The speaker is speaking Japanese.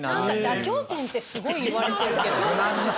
妥協点ってすごい言われてるけど。